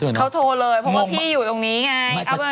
เพราะว่าพี่อยู่ตรงนี้ไง